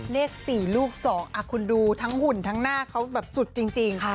เลข๔ลูก๒คุณดูทั้งหุ่นทั้งหน้าเขาแบบสุดจริง